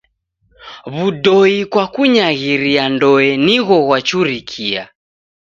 W'udoi kwa kunyaghiria ndoe nigho ghwachurikia.